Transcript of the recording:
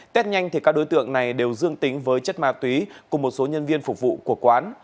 tết nhanh các đối tượng này đều dương tính với chất ma túy cùng một số nhân viên phục vụ của quán